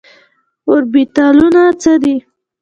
اوربيتالونه څه دي ؟